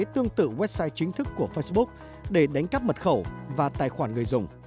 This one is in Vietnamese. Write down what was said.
tương tự website chính thức của facebook để đánh cắp mật khẩu và tài khoản người dùng